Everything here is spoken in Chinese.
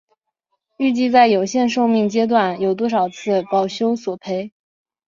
预计在有效寿命阶段有多少次保修索赔？